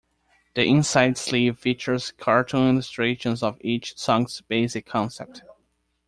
The inside sleeve features cartoon illustrations of each song's basic concept.